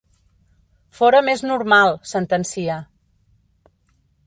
Fóra més normal, sentencia.